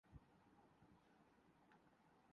سیدھے جائیے